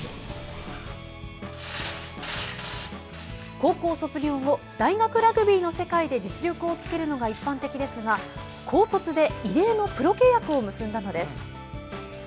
高校卒業後、大学ラグビーの世界で実力をつけるのが一般的ですが、高卒で異例のプロ契約を結んだのです。